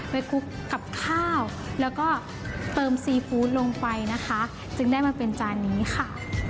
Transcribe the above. คลุกกับข้าวแล้วก็เติมซีฟู้ดลงไปนะคะจึงได้มาเป็นจานนี้ค่ะ